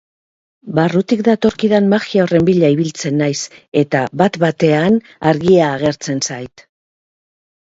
Barrutik datorkidan magia horren bila ibiltzen naiz, eta bat-batean argia agertzen zait.